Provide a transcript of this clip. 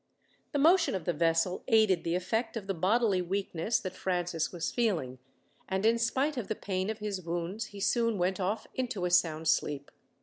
The motion of the vessel aided the effect of the bodily weakness that Francis was feeling, and in spite of the pain of his wounds he soon went off into a sound sleep.